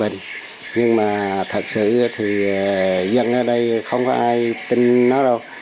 nhưng mà thật sự thì dân ở đây không có ai tin nó đâu